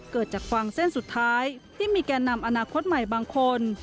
เกิดจากฟังเส้นสุดท้ายที่มีแก่นำอนาคตใหม่บางคน